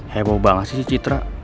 heboh banget sih citra